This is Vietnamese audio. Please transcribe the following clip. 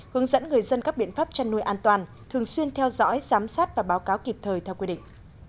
hướng dẫn người dân các biện pháp chăn nuôi an toàn thường xuyên theo dõi giám sát và báo cáo kịp thời theo quy định